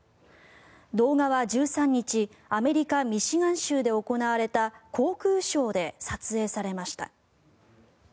動画は１３日アメリカ・ミシガン州で行われた航空ショーで撮影されました。